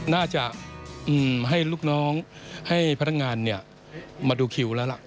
น่าจะให้ลูกน้องให้พนักงานมาดูคิวแล้วล่ะ